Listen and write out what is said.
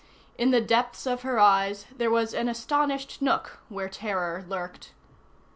In the depths of her eyes there was an astonished nook where terror lurked.